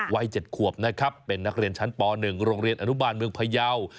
วัย๗ขวบนะครับเป็นนักเรียนชั้นป๑โรงเรียนอนุบาลเมืองพยาว